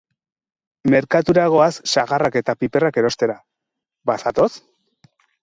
Merkatura goaz sagarrak eta piperrak erostera. Bazatoz?